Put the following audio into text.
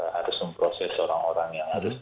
harus memproses orang orang yang harus